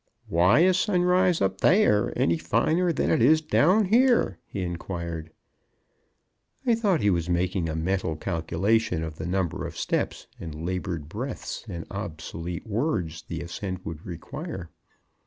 "Why, is sunrise up there any finer than it is down here?" he inquired. I thought he was making a mental calculation of the number of steps, and labored breaths, and obsolete words the ascent would require.